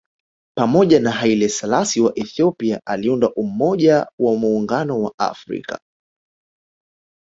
Pamoja na Haile Selassie wa Ethiopia aliunda Umoja wa Muungano wa Afrika